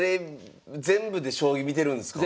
全部で将棋見てるんですか？